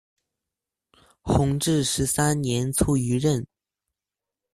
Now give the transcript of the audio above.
弘治十三年卒于任。